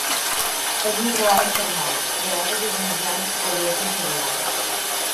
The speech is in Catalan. És una trobada informal, però hi ha tots els mitjans que cobreixen la diada.